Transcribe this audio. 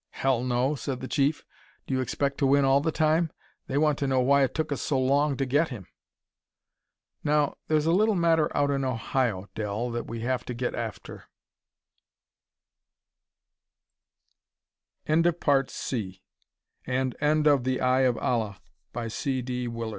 "Hell, no!" said the Chief. "Do you expect to win all the time? They want to know why it took us so long to get him. "Now, there's a little matter out in Ohio, Del, that we'll have to get after " THE "TELELUX" Sound and light were transformed into mechanica